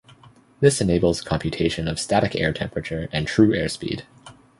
This enables computation of static air temperature and true airspeed.